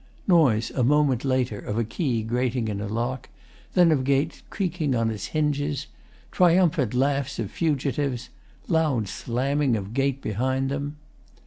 Noise, a moment later, of a key grating in a lock, then of gate creaking on its hinges; triumphant laughs of fugitives; loud slamming of gate behind them.